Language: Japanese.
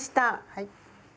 はい。